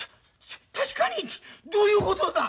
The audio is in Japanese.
確かにってどういうことだ？